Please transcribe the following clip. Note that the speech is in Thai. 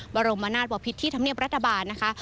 บรมนาศวพิษที่ธรรมเนียบรัฐบาลนะคะ